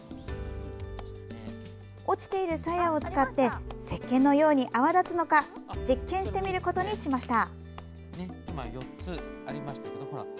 落ちているさやを使ってせっけんのように泡立つのか実験してみることにしました。